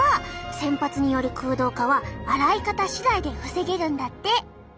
洗髪による空洞化は洗い方次第で防げるんだって。